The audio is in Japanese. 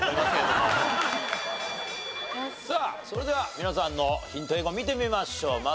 それでは皆さんのヒント英語見てみましょう。